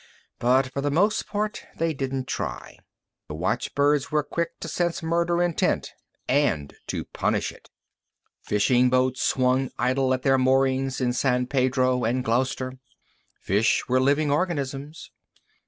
But for the most part, they didn't try. The watchbirds were quick to sense the murder intent and to punish it. Fishing boats swung idle at their moorings in San Pedro and Gloucester. Fish were living organisms.